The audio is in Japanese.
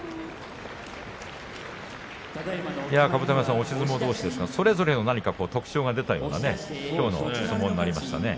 甲山さん、押し相撲どうしですがそれぞれの特徴が出たような攻防になりましたね。